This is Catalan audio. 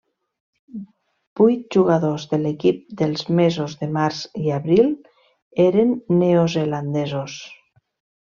Vuit jugadors de l'equip dels mesos de març i abril eren neozelandesos.